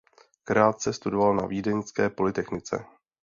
Krátce studoval na vídeňské polytechnice.